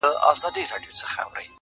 خو چوپتيا لا درنه ده تل,